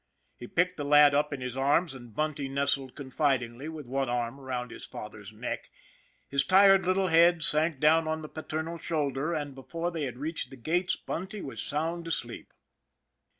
He picked the lad up in his arms, and Bunty nestled confidingly, with one arm around his father's neck. His tired little head sank down on the paternal shoul der, and before they had reached the gates Bunty was sound asleep.